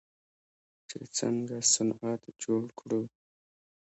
چې څنګه صنعت جوړ کړو.